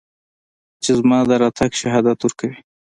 چې زما د راتګ شهادت ورکوي